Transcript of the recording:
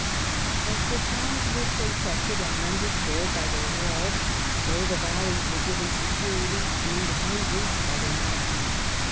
Country As the towns w^ere protected and rendered bold by their walls, so the valleys were given security and in dependence by their mountains.